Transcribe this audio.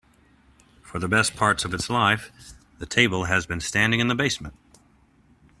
For the best part of its life, the table has been standing in the basement.